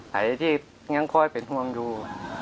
ถ่ายที่ยังค่อยเป็นทวงอยู่